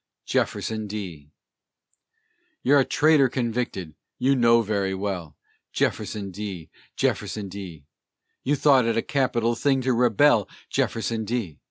JEFFERSON D. You're a traitor convicted, you know very well! Jefferson D., Jefferson D.! You thought it a capital thing to rebel, Jefferson D.!